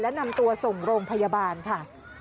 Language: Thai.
และนำตัวส่งโรงพยาบาลค่ะ